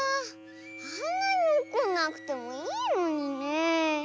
あんなにおこんなくてもいいのにね。